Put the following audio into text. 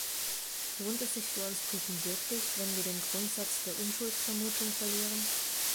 Lohnt es sich für uns Briten wirklich, wenn wir den Grundsatz der Unschuldsvermutung verlieren?